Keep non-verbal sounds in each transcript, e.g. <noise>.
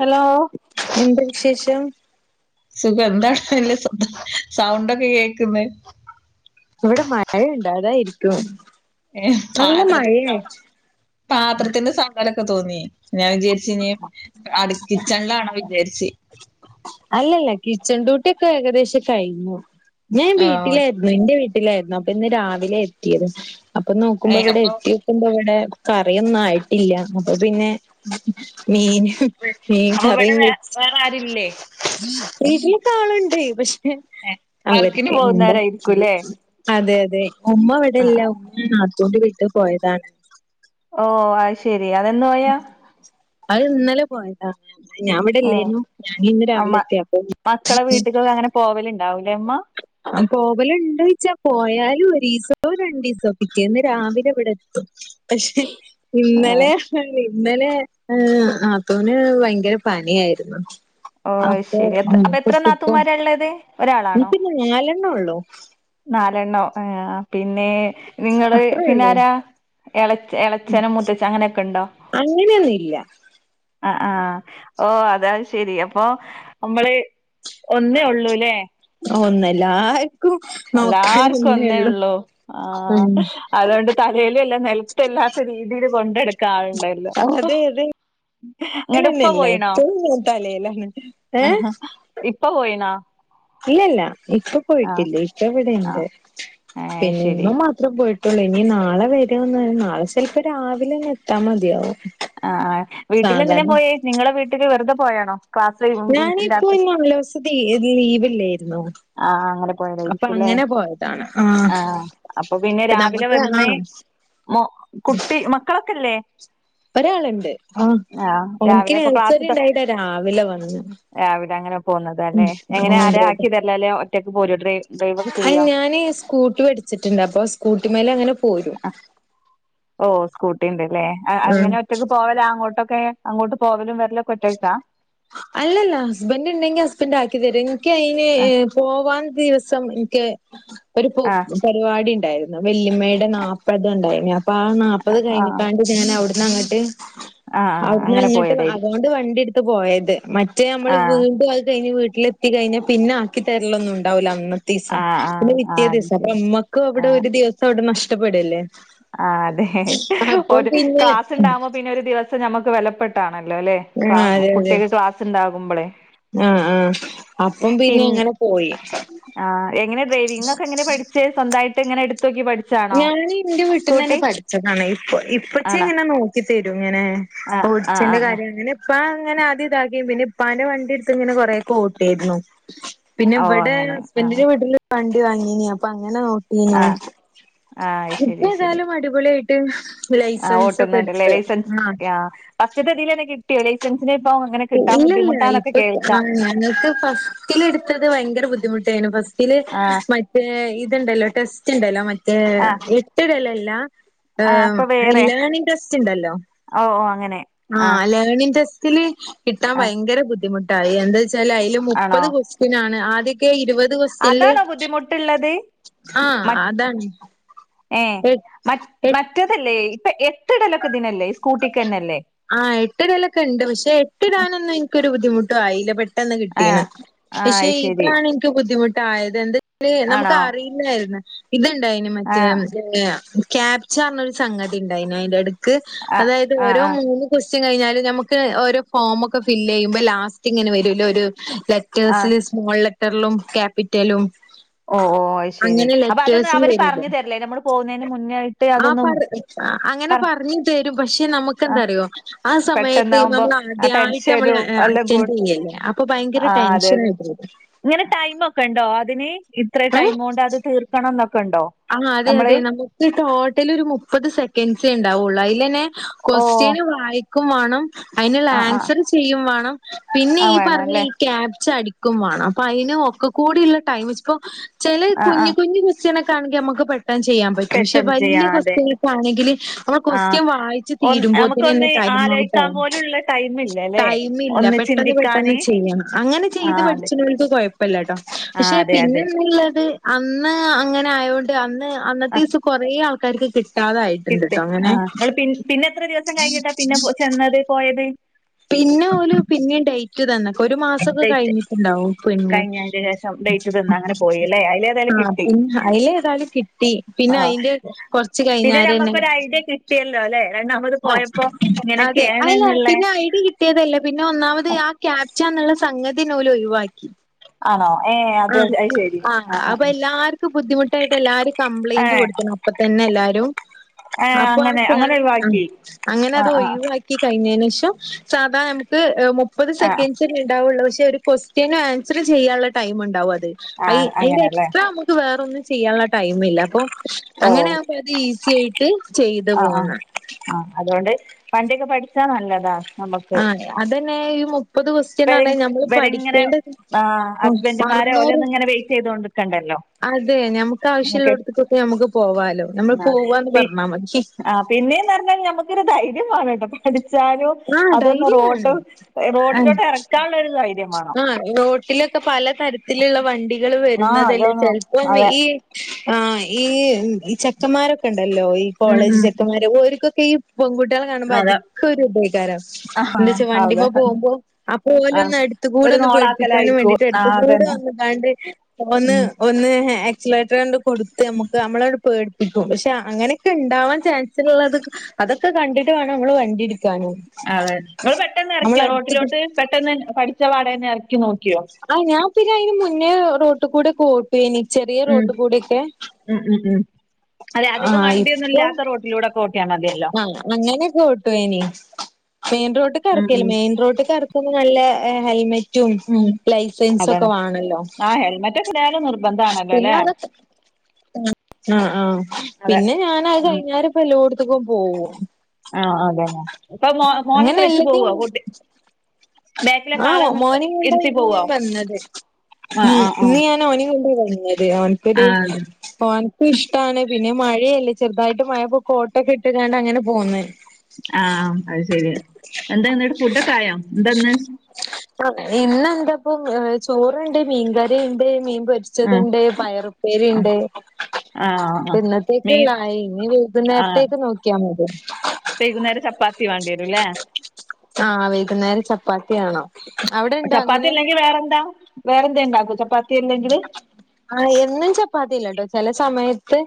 Hello എന്താ വിശേഷം സുഖം എന്താ <unintelligible> സൗണ്ടൊക്കെ കേക്കുന്നെ ഇവിടെ മഴ ഇണ്ട അതായിരിക്കും ഏ നല്ല പാത്രത്തിന്റെ സൗ മഴയായി പാത്രത്തിന്റെ സൗണ്ടോലൊക്കെ തോന്നി ഞാൻ വിചാരിച്ചി ഇഞ് അടു ക്കിച്ചണിലാണോ വിചാരിച്ചി അല്ലല്ല കിച്ചൺ ഡ്യൂട്ടിയൊക്കെ ഏകദേശം കഴിഞ്ഞു ഞാൻ ആഹ് വീട്ടിലായിരുന്നു ന്റെ വീ ട്ടിലായിരുന്നു അപ്പൊ ഇന്ന് രാവിലെ എത്തിയത് അപ്പൊ ഏ നോക്കുമ്പോ ഇവിടെ അപ്പൊ എത്തി നോക്കുമ്പോ ഇവിടെ കറിയൊന്നും ആയിട്ടില്ല അപ്പൊ പിന്നെ മീൻ മീൻ അപ്പൊ കറി ഇവിടെ വേ വെച്ച് വേറെ ആരുല്ലേ വീട്ടിലൊക്കെ ആളുണ്ട് പക്ഷെ ഏഹ് വർക്കിന് അവർക്ക് എന്താ പോകുന്നവരായിരിക്കുംല്ലേ അതെ അതെ ഉമ്മ ഇവിടെ ഇല്ല ആഹ് ഉമ്മ നാത്തൂന്റെ വീട്ട് പോയതാണ് ഓ അത് ശെരി അതെന്ന് പോയാ അത് ഇന്നലെ പോയതാ ഞാൻവിടെ ഉം ഇല്ലായിന്നു ഞൻ ഇന്ന് അമ്മ രാവിലെ എത്തിയേ അപ്പൊ ണ്ടാവൂലെമ്മ പോവല് ഉണ്ടോയ്ച്ചാ പോയാലും ഒരീസോ രണ്ടീസോ പിറ്റേന്ന് രാവിലെ ഇവിടെ എത്തും പക്ഷെ ഇന്നലെ <unintelligible> ഇന്നലെ ഹാ നാത്തൂന് ഭയങ്കര പനിയായിരുന്നു ഓ അപ്പൊ ശരി എത്ര അപ്പൊ എത്ര നാത്തൂമാര ഉള്ളത് ഒരാളൊ നിക്ക് നാലെണ്ണൊള്ളൂ നാലെണ്ണോ ആ പിന്നെ നിങ്ങള് അത്രേ പിന്നെ ഉള്ളൂ ആരാ എള എളച്ചനും മൂത്തച്ഛനും അങ്ങനെയൊക്കെ ഉണ്ടോ ഇല്ല ആ ആ ഓ അതാ ശരി അപ്പൊ മ്മള് ഒന്നേ ഉള്ളൂല്ലേ ഒന്നല്ലാ എല്ലാർക്കും ഒന്നേ ഉള്ളൂ ആ ഉം അതുകൊണ്ട് തലയിലല്ല നിലത്തല്ലാത്ത രീതിയില് കാള്ണ്ടായില്ല അതെ അതെ ഇങ്ങട്ട് ഉപ്പ തന്നെയല്ല പോയിണോ എപ്പോഴും തലയിലാണ് ഏഹ് ഇപ്പ പോയിണോ ഇല്ലല്ല ഇപ്പ ആ പോയിട്ടില്ലേ ആ ഇപ്പവിടെണ്ട് അത് പിന്നെ ശരി ഇമ്മ മാത്രം പോ യിട്ടുള്ളൂ ഇനി നാളെ വരോന്ന് നാളെ ചിലപ്പോ രാവിലെന്നെ എത്താ മതിയാവും ആ ആ വീട്ടിലെന്തിനാ സാധാരണ പോയേ നിങ്ങളെ വീട്ടില് വെറുതെ പോയാണോ ക്ലാസ് ഞാനിപ്പോ ഈ ഇല്ലാത്ത നാലൂസം ലീവ്ല്ലായിരുന്നോ ആഹ് അങ്ങനെ പോയതായിരിക്കുല്ലേ ആഹ് അപ്പൊ പിന്നെ ഇപ്പൊ രാവിലെ നമുക്ക് വന്ന് ആഹ് മൊ കുട്ടി മക്കളൊക്കെല്ലേ ഒരാള്ണ്ട് ആ ആഹ് ഓനിക്ക് രാവിലെ ഇപ്പൊ ക്ലാസ് നെയ്സറി തൊ ണ്ടായിട്ടാ രാവിലെ വന്ന് രാവിലെ അങ്ങനെ ഉം പോന്നതാല്ലേ എങ്ങനെ ആരാ ആക്കി തര്ലോ അല്ലെ ഒറ്റക്ക് പോരോ ട്രയി ആ ഞാന് സ്കൂട്ടി പഠിച്ചിട്ടുണ്ട് അപ്പൊ സ്കൂട്ടിമേലെ അങ്ങനെ പോരും ഓ സ്കൂട്ടി ഉണ്ട്ല്ലേ ഉം അങ്ങനെ ഒറ്റയ്ക്ക് പോവല അങ്ങോട്ടൊക്കെ അങ്ങോട്ട് പോവലും വ അല്ലല്ല ഹസ്ബൻഡ് ണ്ടെങ്കി ഹസ്ബൻഡ് ആക്കി തരും ഇൻക്ക് അയിന് ആഹ് പോവാൻ ദിവസം ഇൻക്ക് ഒരു പൂ ആഹ് പരിവാടിണ്ടായിരുന്നു വെല്ലിമ്മയുടെ നാപത് ഉണ്ടായിന്നു അപ്പൊ ആ നാപ്പത് ആഹ് കഴിഞ്ഞിക്കാണ്ട് ഞാൻ അവിടന്ന് അങ്ങട്ട് ആഹ് അങ്ങനെ പോയതായി ണ്ട് വണ്ടി ഇട്ത്ത് പോയത് മറ്റേ അമ്മള് ആഹ് വീണ്ടും അത് കഴിഞ്ഞ് വി ട്ടിൽ എത്തി കഴിഞ്ഞാ പിന്നെ ആക്കി തരലൊന്ന് ഉണ്ടാവില്ല അന്ന് തീസം ആഹ് ആഹ് പിന്നെ പിറ്റേ ആഹ് അത് ദിവസം അപ്പൊ ശരി നമ്മക്കും അവിടെ ഒരു ദിവസം അവിടെ നഷ്ടപ്പെടല്ലേ ആ അതെ അപ്പം ഒരു പിന്നെ ക്ലാസുണ്ടാവുമ്പോ പിന്നെ ഒരു ദിവസം ഞമ്മക്ക് വിലപ്പെ ആണല്ലോല്ലെ ആ ക്ല അതെ അതെ കുട്ടിൾക്ക് ക്ലാസ് ഉണ്ടാകുമ്പോളേ ആ ആ അപ്പം പിൻ പിന്നെ അങ്ങനെ പോയി ആഹ് എങ്ങനെയാ ഡ്രൈ <unintelligible> എങ്ങനെ പഠിച്ചേ സ്വന്തായിട്ട് ഇങ്ങനെ എടുത്തു നോക്കി പഠിച്ചതാണോ? വീട്ട്ന്നന്നെ പഠിച്ചതാണ് ഇപ്പ ഇപ്പച്ചി ആണോ ഇങ്ങനെ നോക്കി തെരും എങ്ങനെ ആഹ് ആഹ് ഓടിച്ചേന്റെ ആഹ് ആഹ് കാര്യം അങ്ങനെ പ്പാ ഇങ്ങനെ ആദ്യം ഇതാക്കി പിന്നെ ഇപ്പാൻ്റെ വണ്ടി എടുത്ത് ഇങ്ങനെ കൊറെയൊക്കെ ഓട്ടുവായിരുന്നു പിന്നെ ഓ ഇവിടെ അങ്ങനെ ആഹ് ഹസ്ബൻഡിൻ്റെ വീട്ടില് വണ്ടി വാങ്ങീനി, അപ്പോ അങ്ങനെ നോക്കീനു ആഹ് ആഹ് അയ് ശരി അയ് ശരി ഇപ്പേതായാലും അടിപൊളിയായിട്ട് ആഹ് ലൈസൻസ് ഒക്കെ ഓട്ടുന്ന്ണ്ടല്ലേ എടുത്ത് ലൈസൻസ് ആഹ് ഫസ്റ്റ്ത്തെ ഇതിലെന്നെ കിട്ടിയോ ലൈ ഇല്ലല്ല ഇപ്പൊ കേൾക്കാം ആഹ് ഞങ്ങക്ക് ഫസ്റ്റില് എടുത്തത് ഭയങ്കര ബുദ്ധിമുട്ടേനും ഫസ്റ്റ് റ്റില് ആഹ് മറ്റേ ഇത്ണ്ടല്ലോ ടെസ്റ്റ് ഇണ്ടല്ലോ മറ്റേ ആഹ് എട്ട് ഇടലല്ല ആഹ് അപ്പൊ ഏഹ് വേറെ ലേണിംഗ് ടെസ്റ്റ്‌ ഇണ്ടെല്ലോ? ഓ ഓ അങ്ങനെ ആഹ് ലേണിംഗ് ടെസ്റ്റില് കിട്ടാൻ ആഹ് ഭയങ്കര ബുദ്ധിമുട്ടാ എന്താ ച്ചാല് അതില് ആണോ മുപ്പത് ക്വസ്റ്റ്യൻ ആണ് ആദ്യൊക്കെ ഇരുപത് ത് ക്വസ്റ്റനില് അതാണോ ബുദ്ധിമുട്ടുള്ളത് ആഹ് മ അതാണ് ഏഹ് മറ്റ് എ മറ്റേതല്ലേ ഇപ്പൊ എട്ടിടലൊക്കെ ഇതിനല്ലേ സ്കൂട്ടിക്കന്നല്ലേ ആഹ് എട്ടിടലൊക്കെ ഇണ്ട് പക്ഷെ എട്ടിടാനൊന്നും എനിക്കൊരു ബുദ്ധിമുട്ടും ആയില്ല പക്ഷ് പെട്ടെന്ന് കിട്ടീണ് ആഹ് ആഹ് പക്ഷെ അയ് ശരി ഇതാണ് എനിക്ക് ബുദ്ധിമുട്ടായത് എന്ത് ല് നമ്മക്ക് ആണോ അറിയില്ലായിരുന്നു ഇത്ണ്ടായിന് മറ്റേ ആഹ് ഏഹ് ക്യാപ്ച്ചാ പറഞ്ഞൊരു സംഗതി ഇണ്ടായിന് അതിന്റെ എടക്ക് ആഹ് അതായത് ആഹ് ഓരോ ആഹ് മൂന്ന് ക്വ റ്റ്യൻ കഴിഞ്ഞാല് ഞമ്മക്ക് ഓരോ ഫോമൊക്കെ ഫില്ല് ചെയ്യുമ്പോ ലാസ്റ്റ് ഇങ്ങനെ വരുവല്ലോ ഒരു ആഹ് ലെറ്റേഴ്സില് സ്മോൾ ലെറ്ററിലും ക്യാപ്പിറ്റലും ഓഹ് ഓഹ് അഹ് ശെരി അപ്പ അതൊന്നും അവര് വരൂല്ലോ പറഞ്ഞ് തരില്ലേ നമ്മള് പോവുന്നതിന് മുന്നായിട്ട് അതൊന്നും ആഹ് അങ്ങനെ പറ പറഞ്ഞി തെരും പക്ഷെ നമുക്ക് ആ എന്താറിയോ ആ സമയത്ത് പെട്ടെന്നാവുമ്പോ <unintelligible> ആ ആദ്യാ യിട്ട് നമ്മള് ടെൻഷനും എല്ലാം കൂടും അറ്റൻഡ്യ്യല്ലേ അപ്പ ഭയങ്കര ആ അതെ ടെൻഷന് അതെ ആയി പോവ് ല്ലേ ഇങ്ങനെ ടൈമ് ഒക്കെ ഇണ്ടോ അതിന്, ഇത്ര ടൈമോണ്ട് അത് തീർക്കണം ന്നൊ ആഹ് അതെ അതെ നമുക്ക് ടോട്ടൽ ഒരു മുപ്പത് സെക്കൻസെ ഇണ്ടാവൊള്ളു അയിലെന്നെ ഓ ക്വസ്റ്റിയന് വായിക്കും വാണം അയിന്ള്ള ആ ആ ആൻസറ് ചെയ്യും വാണം പിന്നെ, ആ ഈ വേണം പറഞ്ഞ അല്ലേ ഈ ക്യാപ്ച്ച അടി ക്കും വാണം അപ്പ അയിന് ഒക്ക കൂടിള്ള ടൈം ഇപ്പോ ചെല ആ ആ കുഞ്ഞ് കുഞ്ഞ് ക്യുസ്റ്റന് ഒ ക്കാണെങ്കിൽ അമ്മക്ക് പെ ചെയ്യാൻ പറ്റും. പഷെ പെട്ടെന്ന് ചെയ്യാ വല്ല്യ അതെ ക്യുസ്റ്റല്ക്കെ ആണെങ്കില് നമ്മള് ക്യു ആ സ്റ്റ്യൻ വായിച്ച് ഒ തീരുമ്പോത്ത്നെന്നെ നമുക്കൊന്ന് ടൈ ആലോചിക്കാൻ പോലുള്ള ടൈം <inaudible> ഇല്ലല്ലേ ടൈം ഇല്ല ഒന്ന് പെട്ടന്ന് പെട്ടന്ന് ചിന്തിക്കാന് ചെയ്യണം. അങ്ങനെ ആ ചെയ്ത് പഠി അതെ ച്ച്നോൽക്ക് കൊഴപ്പല്ലട്ടോ ആ പക്ഷെ അതെ അതെ ആ പിന്നെന്ന്ള്ളത് അന്ന് അങ്ങനെ ആയോണ്ട് അന്ന് അന്നത്തീസം കൊറേ ആൾക്കാര്ക്ക് കി കിട്ടി. ആഹ് ഇങ്ങള് പിൻ പിന്നെ എത്ര ദിവസം കഴിഞ്ഞിട്ടാ പിന്നെ പോ ചെന്നത് പോയത്? ക്റ്റ് തന്നെക്ക് ഒര് മാസൊക്കെ ഡേറ്റ് കഴിഞ്ഞിട്ട്ണ്ടാവും പിന്നെ, കഴിഞ്ഞതിന് ശേഷം ഡേറ്റ് തിന്ന് അങ്ങനെ പോയി അല്ലേ അതിലേതായാലും ആഹ് കിട്ടി പിന്നെ അയില് ഏതായാലും കിട്ടി. പിന്നെ ആ അയിന്റെ കൊർ ച്ച് പിന്നെ കഴിഞ്ഞാരെ ആണ് നമുക്കൊരു ഐഡിയ കിട്ടിയല്ലോ അല്ലെ രണ്ടാമത് പോയപ്പോ <inaudible> അതെ ഇങ്ങനെയൊക്കെയാണ് അയില് അയ് എന്നുള്ള പിന്നെ ഐഡി കി ട്ടിയതല്ലെ പിന്നെ ഒന്നാമത് ആഹ് ക്യാപ്ച്ചാന്ന്ള്ള സംഗതിന്നെ ഓല് ഒഴിവാക്കി. ആണോ ഏ അത് ആഹ് അത് ശരി ആഹ് ആ ആ അപ്പ എല്ലാര്ക്ക് ബുദ്ധിമു ട്ടായിട്ട് എല്ലാര് ആ. ഏ കംപ്ലയിന്റ് കൊട്ക്കണം അപ്പ തന്നെ എല്ലാര് ഏ അപ്പൊ ആഹ് അങ്ങനെ അങ്ങനെ ക്യാപ്ച്ച ഒഴിവാക്കി അങ്ങനെ ആ അത് ആ ഒഴിവാക്കി കഴിഞ്ഞെനേഷം സാധാ നമക്ക് മുപ്പത് ആ സെക്കൻസ്ന്നെ ഇണ്ടാവുള്ളൂ പക്ഷെ ഒര് ക്വസ്റ്റന് ആൻസറ് ചെയ്യാള്ള ടൈം ഇണ്ടാവു അത്. ആ അയി അയിന്റെ അങ്ങനല്ലേ എക്സ്ട്രാ നമക്ക് വേറൊന്ന് ചെയ്യാള്ള ടൈമ് ഇല്ല. അപ്പൊ, ഓ അങ്ങനെ ആവുമ്പത് ഈസി ആയിട്ട് ചെയ്ത് ആ ആ പോന്ന്. ആ അതുകൊണ്ട് വണ്ടിയൊക്കെ പഠിച്ചാൽ നല്ലതാ. നമുക്ക് ആഹ് അതെ അത് തന്നെയായാലും. മുപ്പത് ദിവസത്തിന് ഇവര് ആണേൽ ഞമ്മള് ഇവരിങ്ങനെ പഠിക്കേണ്ടത് ആ ആഹ് ഹസ്ബൻഡുമാരെ ഓലൊന്നും അറുനൂറും. ഇങ്ങനെ വെയിറ്റ് ചെയ്തോണ്ട്ക്കണ്ടല്ലോ അതെ ഞമ്മുക്ക് നമുക്ക് ആവശ്യമുള്ളിടത്ത് ഒക്കെ ഞമ്മുക്ക് പോവാലോ, നമ്മള് ആ പോവാന്ന് പി പറഞ്ഞാൽ മതി. <unintelligible> പറഞ്ഞാൽ നമുക്ക ഒരു ധൈര്യമാണ് ചാലും ആഹ് അതൊന്ന് ധൈര്യം റോഡ് വേണം. ഏ റോഡിലോട്ട് ഇറക്കാനുള്ള ഒരു ധൈര്യം വാണം ആ റോട്ടിലൊക്കെ പലതരത്തിലുള്ള വണ്ടികൾ ആ വരുന്നതല്ലേ അതാണ് ചെലപ്പം അതെ ഈ ആ ഈ ചെക്കന്മാരൊക്കെ ഉണ്ടല്ലോ ഈ ഉം കോളേജ് ഉം ചെക്കന്മാര് ഓര്ക്കൊ ക്കെ ഈ പെൺകുട്ടികളെ കാണുമ്പോ അതെ അധികം ഒരു വികാരം ആ എന്താ വെച്ചാ അതെ വണ്ടിമേ പോകുമ്പോ ആ പോലും ഒന്ന് അ തികൂടെ ഒരു ഒന്ന് പൊടിപ്പിക്കാനും നോളാക്കലായിരിക്കും വേണ്ടിട്ട് ആ എടുത്ത് കുടെ അതന്നെ വന്ന് യിതാണ്ട് വന്ന് ഉം വന്ന് ആ ആക്സിലേറ്റർ എന്തോ കൊടുത്ത് നമ്മുക്ക് നമ്മളോ പേ ഇപ്പോ പക്ഷെ അങ്ങനെയൊക്കെ ഉണ്ടാവാൻ ചാൻസ് ഉള്ളത് അതൊക്കെ കണ്ടിട്ട് വേണം നമ്മള് വണ്ടി ഇട്ക്കാന് അതെ നിങൾ പെട്ടെന്ന് നമ്മളെ ഇറക്കിയോ അടുത്ത്ക്ക് റോട്ടിലോട്ട് പെട്ടെന്ന് പഠിച്ച പാടെ തന്നെ ഇറക് ആ ഞാൻ പിന്നെ അയിന് മുന്നേ റോട്ടി കൂടെ കെ ഓട്ടി ചെറിയ ഉം റോട്ടികൂടക്കെ ഉം ഉം ഉം അതെ അധികം വണ്ടിയൊന്നുല്ലാത്ത റോട്ടിലൂടെ പോ ആ അങ്ങനെയക്കെ ഒട്ടു ഇനി മെയിൻ റോട്ടിക്ക് ഉം ഇറക്കല്ല ഉം മെയിൻ റോഡിക്ക് ഇറ നല്ല ഹെ ഹെൽമെ റ്റും ഉം ലൈസൻസ് അതാണ് ഒക്കെ വേണല്ലോ ആ ഹെൽമെറ്റ് ഒക്കെ എന്തായാലും നിർബന്ധമാണല്ലോ പിന്നെ അല്ലേ അതൊക് ഉം ആ ആ അതെ പിന്നെ ഞാൻ അത് കഴിഞ്ഞാൽ ഇപ്പോ വല്ലടത്തക്കും പോകും ആ ആ അതന്നെ ഇപ്പൊ മോ മോനെ വെച്ച് പോവോ റോട്ടി ആ മോനെ കൊണ്ടാ ഇന്ന് ഞാൻ വന്നത് ഉം ആഹ് ആഹ് ആഹ് ഇന്ന് ഞാൻ ഓനെ <unintelligible> വന്നത് ഓൻകത് ആഹ് അതെ ഓൻക്ക് ഇഷ്ടണെ പിന്നെ മഴയല്ലേ ചെറുതായിട്ട് മഴപ്പോ കോട്ടക്കെ ഇട്ടുകാണ്ട് അങ്ങനെ പോന്ന് ആഹ് അത് എന്തന്ന് അ ഇന്ന് യെന്ത്പ്പം ഏ ചോറ് ഉണ്ട് മീൻകറി ഇണ്ട് മീൻ ആഹ് പൊരിച്ചതിണ്ട് പയറുപ്പേരി ആഹ് ഇണ്ട് ആഹ് ആഹ് മീൻ ഇപ്പംഇന്നത്തേക്കള്ളതായി ഇനി ആഹ് വൈകുന്നേരത്തേക്ക് നോക്കിയാ മതി വൈകുന്നേരം ചപ്പാത്തി വേണ്ടി വരുല്ലേ ആ വൈകുന്നേരം ചപ്പാത്തിയാണ് ചപ്പാത്തി ഇല്ലെങ്കി വേറെന്താ വേറെന്തെ ഇണ്ടാക്കും ച ആ എന്നും ചപ്പാത്തില്ലട്ടോ ചെല സമയത്ത്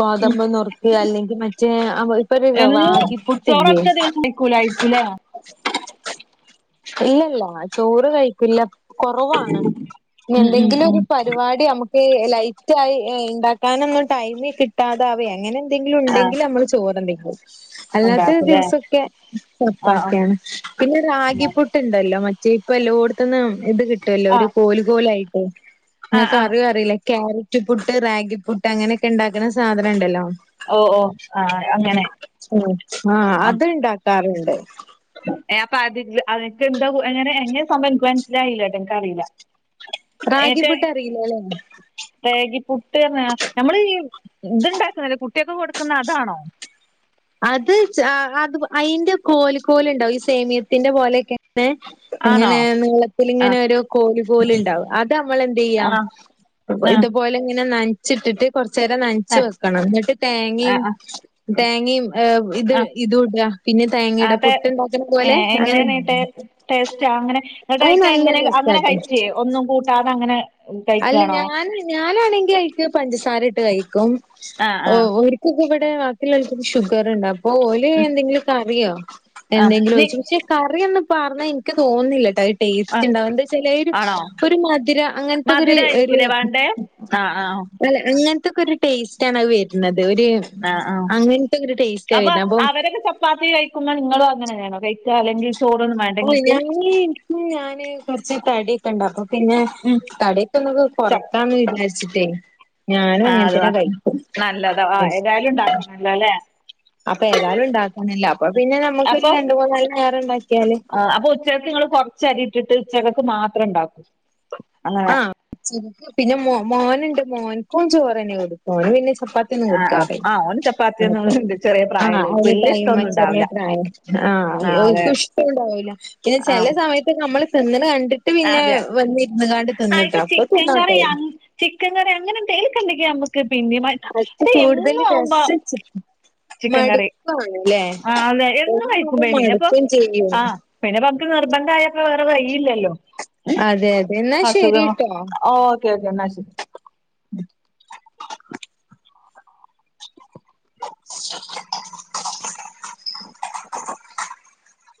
ഗോതമ്പ് നുറുക് അല്ലെങ്കി മറ്റേ അ ഇപ്പം എന്നും റാഗി പൊടിയില്ലെ ക്കൂലെ ഇല്ലല്ല ചോറ് കഴിക്കില്ല കുറവാണ് ഉം ഉം എന്തെങ്കിലും ഉം ഒരു പരിപാടി നമക് ലൈറ്റയി ഇണ്ടാക്കാനൊന്നും ടൈമ് കിട്ടാതെ ആവേ അങ്ങനെ എന്തെങ്കിലു ആഹ് ഉണ്ടെങ്കി നമ്മള് ചോറണ്ടെങ്കും അല്ലാത്ത ഉണ്ടാക്കൂലേ ദിവസൊക്കെ ആഹ് ചപ്പാത്തിയാണ് പിന്നെ റാഗി ആഹ് ണ്ടല്ലോ മറ്റേ ഇപ്പല്ലോട്ത്തുന്നും ഇത് കിട്ടുവല്ലോ ഒരു ആഹ് കോല് കോലായിട്ട് ആഹ് നിങ്ങക്ക് ആഹ് അറിയോ അറിയില്ല ക്യാരറ്റ് പുട്ട് റാഗി പുട്ട് അങ്ങനെക്കെ ഉണ്ടാക്കുന്ന സാധനം ഉണ്ടല്ലോ ഓ ഓ ആഹ് അങ്ങനെ അ ആ അത്ണ്ടാക്കാറ്ണ്ട് എ അപ്പ അത് അനക്ക് എന്താ എങ്ങനെ എങ്ങനെ സംഭവ എ മനസ്സിലായില്ലോട്ടെ എൻക്ക്റിയില്ല റാഗിപുട്ട് <unintelligible> അറിയില്ലല്ലേ രാഗി പുട്ട് റഞ്ഞ നമ്മൾ ഈ ഇത്ണ്ടാക്കുന്ല്ല കുട്ടിയക്കെ കൊടുക്കുന്ന അതാണോ അത് അത് അയിന്റെ കോൽ കോലുണ്ടാവും ഈ സേമിയത്തിന്റെ പോലെയൊക്കെ ആണോ എങ്ങനെ നീളത്തി ഇങ്ങനെ ആഹ് ഒരു കോഴി പോല ഉണ്ടാവും അത് നമ്മള എന്ത് ചെയ്യാ ആഹ് ആഹ് ഇതുപോലെ ഇങ്ങനെ ന ചിട്ടിട്ട് കൊറച്ച നേരം നനച്ച് ആഹ് വെക്കണം എന്നിട്ട് തേങ്ങയും ആഹ് ആഹ് തേങ്ങയും ഏഹ് ഇത് ഇതൂട അത് അങ്ങനെ എങ്ങനെയ ടേ ടേസ്റ്റ്ങ്ങനെ അത് നല്ല <unintelligible> അങ്ങനെ രസാട്ടോ കഴിച്ചേ ഒന്നും കൂട്ടാതെ അങ്ങനെ അല്ല കഴിക്കാണോ ഞാന ഞാനാണെങ്കി അയി പഞ്ചസാര ഇട്ട് കഴിക്കും ആ ആ ഒരിക്കൊക്കെ ഇവിടെ ബാക്കില ആ ഷുഗർണ്ടാ ഓല് ഉം എന്തെങ്കിലും കറിയോ ആ എന്തെങ്കിലും നീ ഒഴിച്ചു പക്ഷേ കറിഒന്നും പറഞ്ഞ എനിക്ക് തോന്നുന്നില്ല കേട്ടോ ആ ടേസ്റ്റ് ഉണ്ട് അതുകൊണ്ട് ചില ആണോ ഒരു മധുരം അങ്ങനെ <unintelligible> മധുരായിരിക്കൂലേ വേണ്ടേ ആ ആ അങ്ങനത്തൊക്കെ ടേസ്റ്റ് ആണ് അത് വരുന്നത് ഒരു ആ ആ അങ്ങനത്തെ ഒരു ടേസ്റ്റാ അപ്പൊ വരുന്നത് അപ്പം അവരൊക്കെ ചപ്പാത്തി കഴിക്കുമ്പോ നിങ്ങളും അങ്ങനെ വേണോ കഴിക്കുക അല്ലെങ്കിൽ ചോറൊന്നും വേണ്ടേ ഓ ഇങ്ങക്ക് ഞാന് ഇപ്പ ഞാന് കുറച്ച് തടിയൊക്കെ ഉണ്ടരുന്നു പിന്നെ ഉം തടൊക്കെ എന്നക്ക് ച കൊറക്കാന്ന് വിചാരിച്ചിട്ടേ ഞാനും ആ അങ്ങനെ അത് തന്നെ കഴിക്കും നല്ലതാ ആ ഏതായാലും ഉണ്ടാക്കണല്ലോ അല്ലെ അപ്പൊ ഏതായാലും ഉണ്ടാക്കാനില്ല അ പിന്നെ നമുക്ക് അപ്പൊ രണ്ട മൂന്നാള് നേരം ഉണ്ടാക്കിയാല് അപ്പൊ ഉച്ചക്ക് നിങ്ങള് കൊറച്ചരി ഇട്ടിട്ട് ചകക്ക് മാത്രം ഉണ്ടാക്കും അങ്ങനെ ആഹ പിന്നെ മോനുണ്ട് മോനക്കും ചോറ്ന്നെ കൊടുക്കാ ഓന് പിന്നെ ചപ്പാത്തി ഒന്നും ആഹ് ആഹ് ആഹ് ഓന് കൊടുക്കാറില്ല ചപ്പാത്തിയൊന്നും ചെറിയ ആ് പ്രായല്ലേ ഓൽക്ക് അന് വല്യ ടൈം ഇഷ്ടൊന്നും മായി ചെറിയ ഉണ്ടാവില്ല പ്രായം ആഹ് അതെ ആഹക്ക് ഇഷ്ടം ഉണ്ടാവൂല പിന്നെ ചില ആഹ് സമയത്ത് നമ്മള് തിന്ന്നത് കണ്ടിട്ട് പിന്നെ വന്നിരിന്ന് കാണ്ട് ആയിക്ക് ചിക്കൻ കറി ചിക്കൻ കറി അങ്ങനെന്തൽക്കണ്ടക്ക പിന്നെ അത് അേ കൂടുതൽ എന്നും ആവുമ്പോ രസം ചിക്കൻ ചിക്കൻ കറി മടുപ്പാണ് ല്ലേ ആ അതെ എന്നന്ന് കഴിക്കും ഒന്നാവുമ്പോ പിന്നെപ്പോ മടുക്കും ചെയ്യും ആ പിന്നെപ്പോ നമുക്ക് നിർബന്ധമായപ്പോ വേറെ കഴും ഇല്ലല്ലോ അതെ അതെ എന്നാ അസുഖ ശരിട്ടോ ഓക്കെ ഓക്കെ എന്നാ ശരി <inaudible> <inaudible>